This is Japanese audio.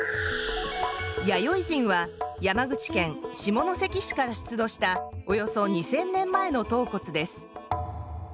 弥生人は山口県下関市から出土したおよそ２，０００年前の頭骨です。